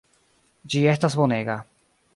Ĝi estas bonega.